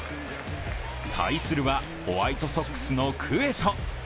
対するは、ホワイトソックスのクエト。